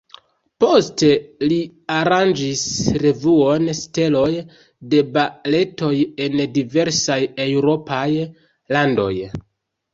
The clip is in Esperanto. Poste li aranĝis revuon "Steloj de baletoj" en diversaj eŭropaj landoj.